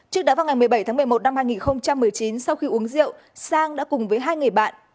trước đó vào ngày một mươi bảy tháng một mươi một năm hai nghìn một mươi chín sau khi uống rượu sang đã cùng với hai người bạn